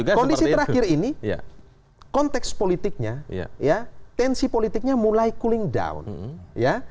kondisi terakhir ini konteks politiknya ya tensi politiknya mulai cooling down ya